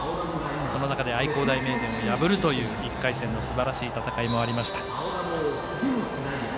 その中で愛工大名電を破るという１回戦のすばらしい戦いもありました。